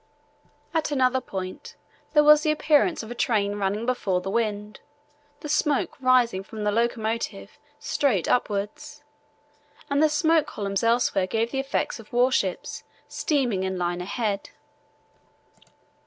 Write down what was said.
At another point there was the appearance of a train running before the wind, the smoke rising from the locomotive straight upwards; and the smoke columns elsewhere gave the effect of warships steaming in line ahead.